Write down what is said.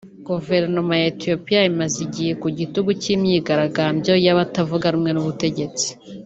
Guverinoma ya Ethiopia imaze igihe ku gitutu cy’imyigaragambyo y’abatavuga rumwe n’ubutegetsi